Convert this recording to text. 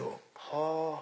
はぁ！